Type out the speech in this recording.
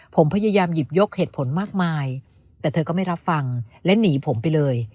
ผมพยายามหยิบยกเหตุผลมากมายแต่เธอก็ไม่รับฟังและหนีผมไปเลย